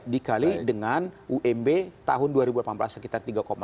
dikali dengan umb tahun dua ribu delapan belas sekitar tiga delapan